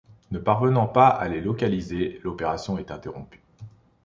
Ne parvenant pas à les localiser, l'opération est interrompu.